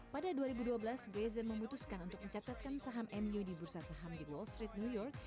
pada dua ribu dua belas grazer memutuskan untuk mencatatkan saham mu di bursa saham di wall street new york